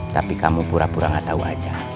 tapi kamu pura pura gak tahu aja